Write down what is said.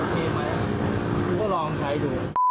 กูก็ลองใช้ดู